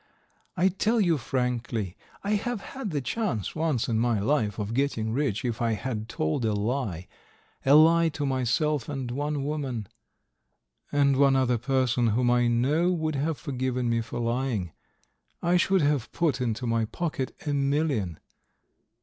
I tell you frankly I have had the chance once in my life of getting rich if I had told a lie, a lie to myself and one woman ... and one other person whom I know would have forgiven me for lying; I should have put into my pocket a million.